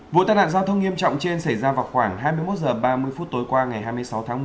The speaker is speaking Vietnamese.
vụ tai nạn giao thông nghiêm trọng trên xảy ra vào khoảng hai mươi một h ba mươi phút tối qua ngày hai mươi sáu tháng một mươi